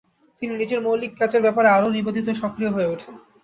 তিনি নিজের মৌলিক কাজের ব্যাপারে আরও নিবেদিত ও সক্রিয় হয়ে উঠেন।